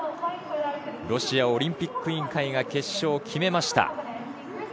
ロシアオリンピック委員会が決勝を決めました。